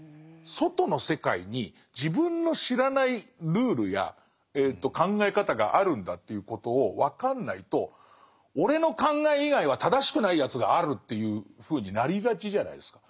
外の世界に自分の知らないルールや考え方があるんだということを分かんないと「俺の考え以外は正しくないやつがある」っていうふうになりがちじゃないですか。